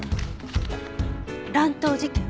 乱闘事件？